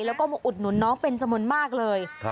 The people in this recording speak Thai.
แล้วก็มาอุดหนุนน้องเป็นจำนวนมากเลย